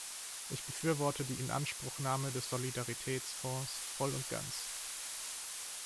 Ich befürworte die Inanspruchnahme des Solidaritätsfonds voll und ganz.